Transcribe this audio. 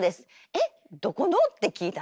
「えっどこの？」って聞いたの。